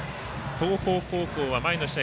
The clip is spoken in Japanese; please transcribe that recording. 東邦高校は前の試合